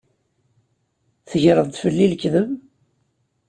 Tegreḍ-d fell-i lekdeb?